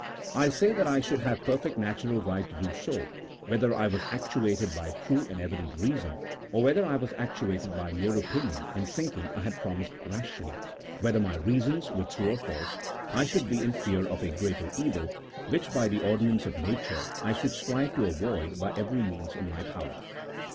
I say that I should have perfect natural right to do so, whether I was actuated by true and evident reason, or whether I was actuated by mere opinion in thinking I had promised rashly ; whether my reasons were true or false, I should be in fear of a greater evil, which, by the ordinance of nature, I should strive to avoid by every means in my power.